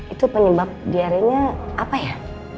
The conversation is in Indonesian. itu penyebab diarenya apa ya